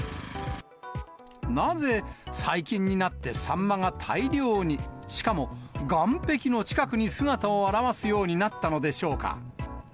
なぜ最近になって、サンマが大量に、しかも岸壁の近くに姿を現すようになったのでしょうか。